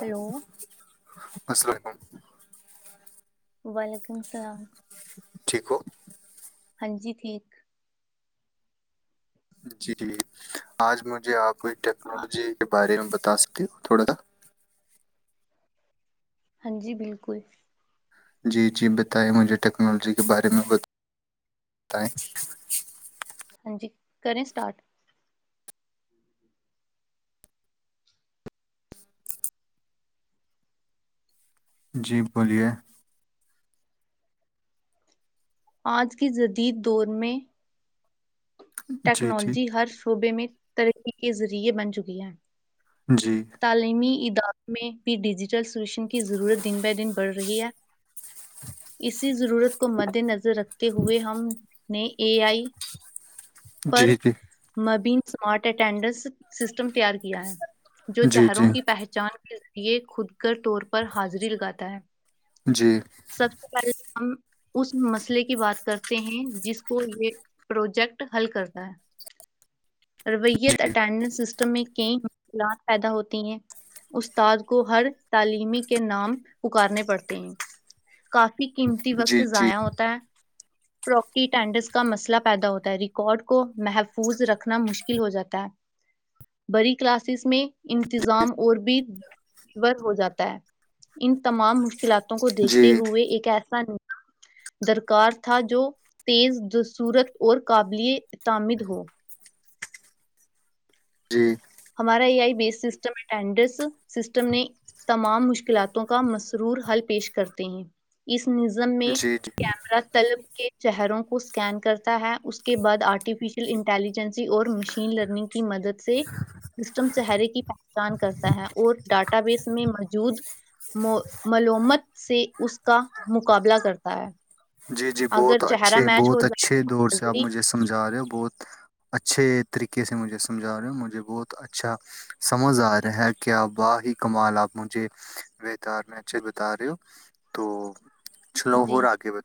hello ہ [inaudible] وعلیکم السلام ٹھیک ہو ہاں جی ٹھیک جی آج مجھے آپ کوئی آ- ٹیکنالوجی کے بارے میں بتا دس دن تھوڑا لگ ہاں جی بالکل جی جی بتائیں مجھے ٹیکنالوجی کے بارے میں بتائیں ہاں جی کریں اسٹارٹ جی بولیے آج کے جدید دور میں جی جی ٹیکنالوجی ہر صوبے میں ترقی کے ذریعے بن چکی ہیں جی تعلیمی [unintelligible] جل سلوشن کی ضرورت دن بہ دن بڑھ رہی ہے اسی ضرورت کو مد نظر رکھتے ہوئے ہم نے اے آئی پر جی مبین اسمارٹ اٹینڈنس سسٹم تیار کیا ہے جو جی چہروں جی کی پہچان کی یہ خود کر طور پر حاضری لگاتا ہے جی سب پل آن [unintelligible] [unintelligible] اس مسئلے کی بات کرتے ہیں جس کو یہ پروجیکٹ حل کرتا ہے رویت اٹینڈنس سسٹم میں کئی مشکلات پیدا ہوتی ہیں استاد کو ہر تعلیمی کے نام پکارنے پڑتے ہیں کافی کی قیمتی وقت جی جی جی ضائع ہوتا ہے پراپرٹی ٹینڈرس کا مسئلہ پیدا ہوتا ہے ر کارڈ کو محفوظ رکھنا مشکل ہو جاتا ہے بڑی کلاسز میں انتظام اور بھی برہو جاتا ان تمام مشکل قلعتوں کو دیکھتے جی ہوئے ایک ایسا درکار تھا جو تیز صورت اور قابل تامد ہو جی ہمارا اے آئی بیس سسٹم اڈس سسٹم نے تمام مشکلاتوں کا مسرور حل پیش کرتے ہیں اس نظم میں جی جی کیمرہ طلب کے چہروں کو اسکین کرتا ہے اس کے بعد آرٹیفیشیل انٹیلیجنس اور مشین لرننگ کی مدد سے سسٹم چہرے کی پہچان کرتا ہے اور ڈاٹا بیس میں موجود بود ملومت سے اس کا مقابلہ کرتا ہے جی جی بہت اگر چہرہ اچھے میچ ہو بہت جائے اچھے تو دور سے آپ نظری مجھے سمجھا رہے ہو بہت اچھے طریقے سے مجھے سمجھا رہے ہو مجھے بہت اچھا سمجھ آ رہا ہے کیا وا ہی کمال آپ مجھے وتار میں اچھے بتا رہے ہو تو چلو ہو جی آگے ب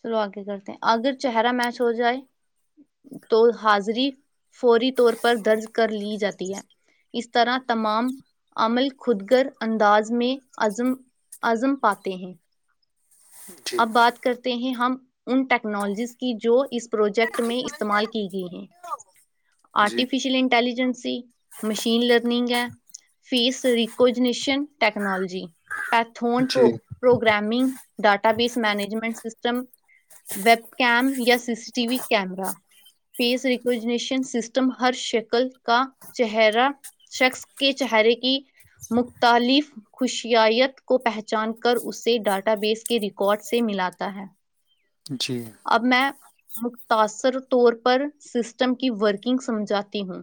چلو آگے کرتے ہیں اگر چہرہ میچ ہو جائے تو حاضری فوری طور پر درج کر لی جاتی ہے اس طرح تمام عمل خودگر انداز میں عزم عزم پاتے ہیں جی اب بات کرتے ہیں ہم ان ٹیکنالوجیز کی جو اس پروجیکٹ میں استعمال کی گئی ہیں جی آرٹیفیشیل انٹیلیجنس مشین لرننگ ہے فیس ریکونیشن ٹیکنالوجی پیتھون جی programming database management system web came یا C C T V camera face recognition system ہر شکل کا چ شخص کے چہرے کی مختالف خوشیائیت کو پہچان کر اسے ڈاٹا بیس ریکارڈ سے ملااتا ہے جی اب میں مختصر طور پر سسٹم کی ورکنگ سمجھاتی ہوں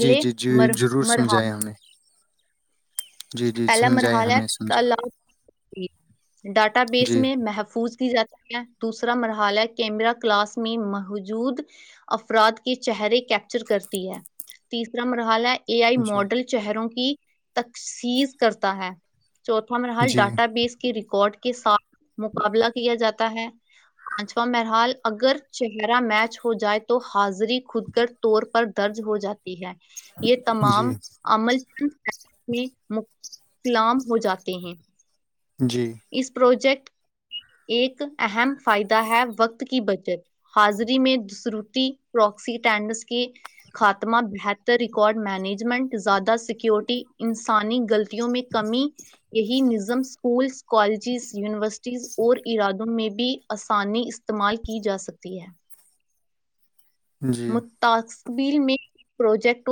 جی جی جی ضرور مرحلہ سمجھائیں ہمیں جی جی سمجھائے ہمیں سمجھے جی ڈاٹا بیس میں محفوظ کی جاتی دوسرا مرحلہ ہے کیمرا کلاس میں موجود افراد کے چہرے کیپچر کرتی ہے تیسرا مرحلہ اے آئی جی ماڈل چہروں کی تخصیص کرتا ہے چوتھا مرحال جی ڈاٹا بیس کے ریکارڈ کے ساتھ مقابلہ کیا جاتا ہے پانچواں مرحال اگر چہرہ میچ ہو جائے تو حاضری خود گ طور پر درج ہو جاتا ہے یہ جی تمام عمل مک کلام ہو جاتے ہیں جی اس پروجیکٹ ایک اہم فائدہ ہے وقت کی بجت حاضری میں دسروٹی پرواکسیٹینڈس کے خاتمہ بہتر ریکارڈ مینج جمنٹ زیادہ سیکیورٹی انسانی غلطوں میں کمی یہی نظم اسکولس کالجز یونیورسٹیز اور ارادوں میں بھی آسانی استعمال کی جا سکتی ہے جی متاخ [inaudible] بیل میںٹ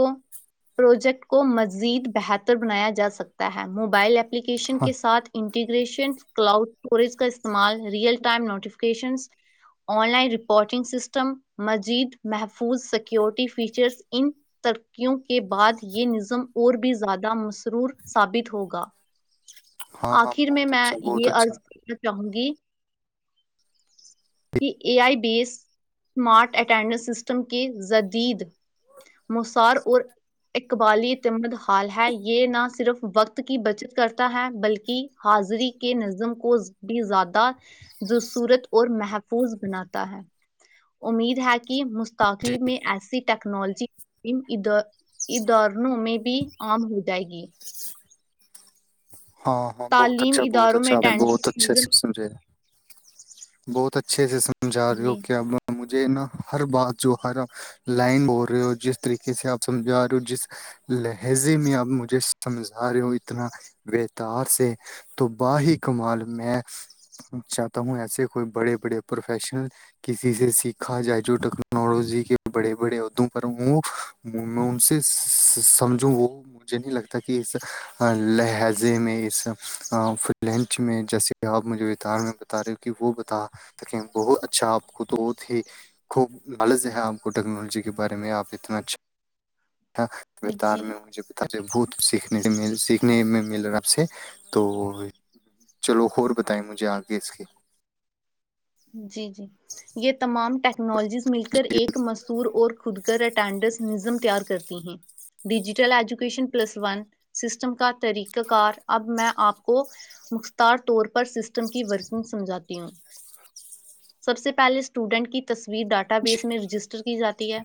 پروجیکٹ کو مزید بہتر بنایا جا سکتا ہے موبائل ایپ اپلیکیشن ہاں کے ساتھ ان انٹیگریشن کلاؤڈ اسٹوریج کا استعمال real time notification online reporting system مزید محفوظ سکیورٹی فیچرز ان ترکیوں کے بعد یہ نظم اور بھی زیادہ مصرور ثابت ہوگا ہاں ہاں آخر میں بہت میں اچھا یہ بہت اچھا ارض چوں گی [inaudible] کہ A I base smart attendance system کے جدید موسار اور قبالتمد حال ہے یہ نہ صرف وقت کی بچت کرتا ہے بلکہ حاضری کے نظم کو بھی زیادہبصورت اور مح محفوظ بناتا ہے امید ہے کہ جی کاتلی میں ایس ٹیکنالوجی ادورنوں میں بھی عام ہو جائے گی ہاں ہاں بہت تعلیم اچھا بہت اداروں میں اچھا اٹینڈنس بہت کے نظم اچھامجھے بہت اا چھ س [inaudible] سمج جا رہی ہو جی کیاجھے [inaudible] مجھے نا ہر بات جو ہر لائن بول رہے ہو جس طریقے سے آپ سمجھا رہے ہو جس لہجے میں آپ مجھے سمجھا رہے ہو اتنا بتار سے تو باہ کمال میں چاہتا ہوں ایسے کوئی بڑے بڑے پروفیشن کسی سے سیکھا جائے جو ٹیکنالوجی کے بڑے بڑے عدوں پر وہ میں ان سے سمجھوں وہ مجھے نہیں لگتا کہ اس لہج زے میں اس ف لینچ میں جیسے آپ مجھے وتار میں بتا رہے ہو کہ وہ بتا بہت اچھا آپ کو تو ہی خوب لالج ہے آپ کو ٹیکنالوجی کے بارے میں آپ اتنا اچھا تھا وتار جی میں مجھے پتا ج بھت سیکھنے سیکھنے میں ملا آپ سے تو چلو اور بتائیں مجھے آگے اس کے جی جی یہ تمام ٹیکنالوجیز مل کر ایک مشہور اور خود کر اٹینڈنس نزم تیار ہو کرتی ہیں digital education plus one system کا طریقہ کار اب میں آپ کو مختار طور پر سسٹم کی ورکنگ سمجھاتی ہوں سب سے پہلے اسٹوڈنٹ کی تصویر بھی ڈاٹا جی بیس میں رجسٹر کی جاتی تی ہے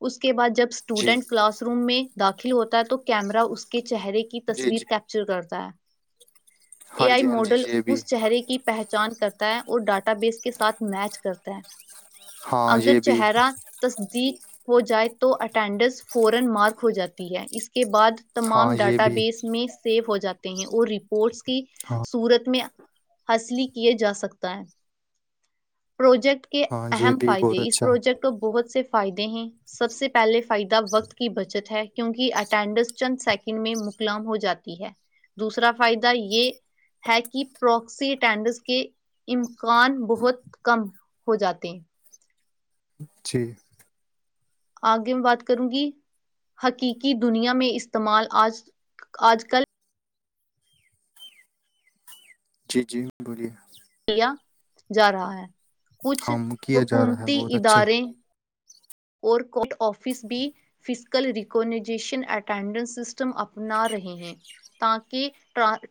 وس [inaudible] کے بعد جب جی اسٹوڈنٹ کلاس روم میں داخل ہوتا ہے تو کیمرا اس کے چہرے کی جی جی تصویر کیپچر کرتا ہے اے ہاں آئی جی ہاں ماڈل جی یہ بھی اس چہرے کی پہچان جان کرتا ہے اور ڈاٹا ا بھی اس کے ساتھ میچ کرتا ہے ہاں اگر یہ بھی چہرہ تصدیق ہو جائے تو اٹینڈنس فورن مارک ہو جاتی ہے اس کے بعد تمام ہاں یہ ڈاٹا بھی بیس میں سیو ہو ج جاتے ہیں اور رپورٹس کے کہ ہاں سورت میں حاصلی کیے جا سکتا ہے پروجیکٹ کے ہاں یہ اہم بھی بہت فائدے اس اچھا پروجیکٹ کو بہت سے فائدے ہیں سب سے پہلے فائدہ وقت کی بچت ہے کیونکہ اٹینڈنس چند سیکنڈ میں مکلام ہو جاتی ہے دوسرا فائدہ یہ ہے کہ پروکسی اٹینڈنس کے کان بہت کم ہو جاتے ہیں اچھی آگے میں بات کروں گی حقیقی دنیا میں استعمال آج آج کل جی جی بولیے کیا جا رہا ہے کچھ ہاں کیا جا رہا ہے حکومتی بہت اچھے ادارے اور کورٹ آفس بھی فزیکل ریکگنزیشن اٹینڈنس سسٹم اپنا رہے ہیں تاکہ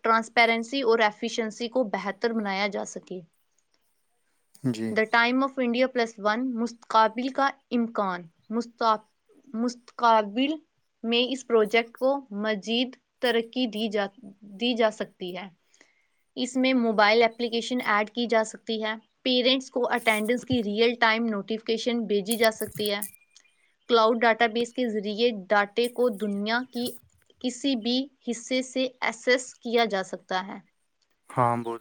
ٹرانسپیرنسی اور افیشنسی کو بہتر بنایا جا سکے جی the time of India plus one مستقبل کا اکان مستقبل میں اس پروجیکٹ کو مزید ترقی دیا دی جا سکتی ہے اس میں موبائل اپلیکیشن ایڈ کی جا سکتی ہے پیرنٹس کو اٹینڈنس کی ریئل ٹائم نوٹیفکیشن بھیجی جا سکتی ہے کلاؤڈ ڈاٹا بیس کے ذریعے ڈاٹے کو دنیا کی کسی بھی حصے سے ایسس کیا جا سکتا ہے ہاں بول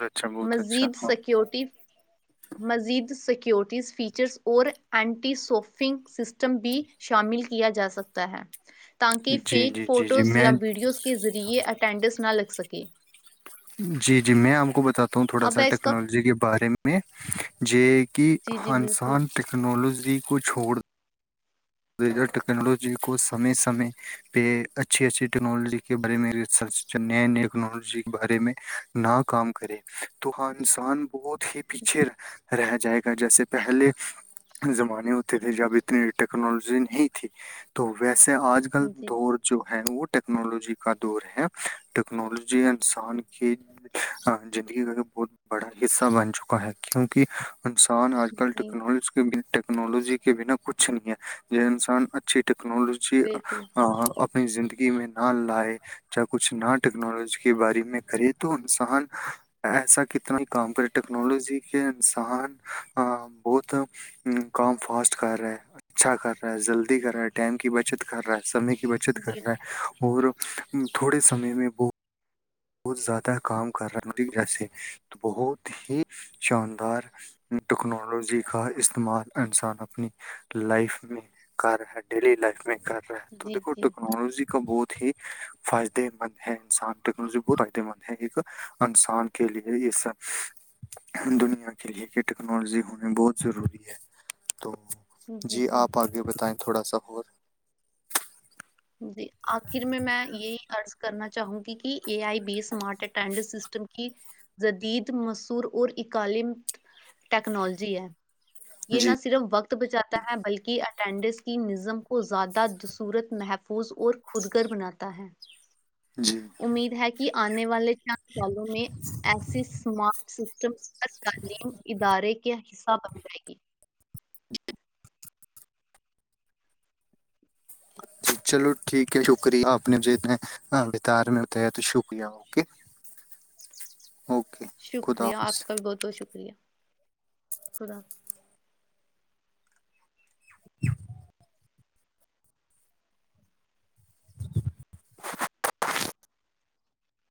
مزید سیکیورٹی مزید سیکی سکیورٹیز فیچرز اور اینٹی سوفنگ سسٹم بھی شامل کیا جا سکتا ہے تاکہ جی فیک جی جی جی فوٹوز یا میں ویڈیوز کے ذریعے اٹینڈنس نہ لگ سکے کی جی جی میں آپ کو بتاتا ہ تھوڑا اب سا ہے اس کا ٹیکنالوجی کے بارے میں ج کہ جی جی بالکل انسان ٹیکنالوجی ی کو چھوڑ ٹیکنالوجی کو سمے سمے پہ اچھی اچھی ٹیکنالوجی کے بارے میںرچ نئے نئے ٹیکنالوجی کے بارے میں ن کام کرے تو ہاں انسان بہت ہی پیچھے رہ جائے گا جیسے پہلے زمانے ہوتے تھے جب اتنے ٹیکنالوجی نہیں تھی تو ویس جے آج کل جی دور جو ہے وہ ٹیکنالوجی کا دور ہے ٹیکنالوجی انسان کی زندگی کا ایک بہت بڑا حصہ بن چکا ہے کیونکہ [unintelligible] جی ٹیکنالوجی کے بنا کچھ نہیں یہ انسان اچھی بالکل [unintelligible] اپنی زندگی میں نہ لائے یا کچھ نہ ٹیکنالوجی کے بارے میں کرے تو انسان ایسا کتنا ہی کام کرے ٹیکنالوجی کے انسان بہت کام فاسٹ کر رہا اچھا کر رہا ہے جلدی کر رہا ہے ٹائم کی بچت کر رہا ہے سمے کی بچت کر بالکل رہا ہے اور [unintelligible] [unintelligible] [inaudible] جی جی ہی فائدے مند ہے انسان ٹیکنالوجی بت فائدے مند ہے ایک انسان کے لیے اس دنیا کے لیے کہ ٹیکنالوجی ہونا بہت ضروری ہے تو جی آپ آگے بتائیں تھوڑا سا ہو جی آخر میں میں یہی عرض کرنا چاہوں گی کہ A I B smart attendance system کی جدید مشہور اور اکالم ٹیکنالوجی ہے یہ نہ جی صرف وقت بچاتا ہے بلکہ اٹینڈنس کی نظم کو زیادہ دصورت محفظ محفوظ اور خود گر بناتا ہے جی جی امید ہے کہ [inaudible] الوں میں ایسیمارٹ س [inaudible] [unintelligible] [unintelligible] [inaudible] جی چلو ٹھیک ہے شکریہ آپ نے جتنے ہ بتار میں اتیا تو شکریہ اوکے اوکے خدا شکریہ حافظ آپ کا بھی بہت بہت شکریہ خدا [inaudible]